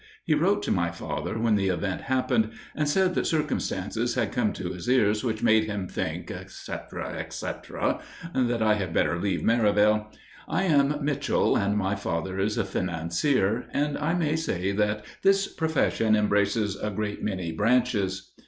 He wrote to my father when the event happened, and said that circumstances had come to his ears which made him think, etc., etc., that I had better leave Merivale. I am Mitchell, and my father is a financier, and I may say that this profession embraces a great many branches.